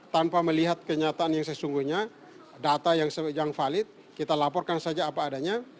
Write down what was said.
tanpa melihat kenyataan yang sesungguhnya data yang valid kita laporkan saja apa adanya